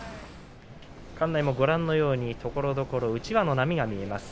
館内もご覧のようにところどころうちわの波が見られます